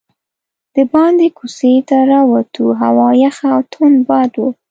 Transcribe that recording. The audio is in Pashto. دباندې کوڅې ته راووتو، هوا یخه او توند باد و.